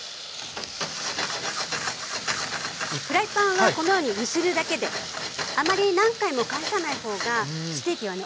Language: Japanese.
フライパンはこのように揺するだけであまり何回も返さない方がステーキはね